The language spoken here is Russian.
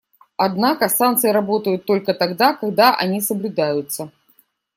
Однако санкции работают только тогда, когда они соблюдаются.